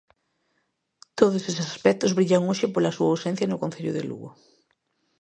Todos eses aspectos brillan hoxe pola súa ausencia no Concello de Lugo.